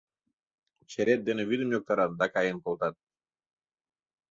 Черет дене вӱдым йоктарат да каен колтат.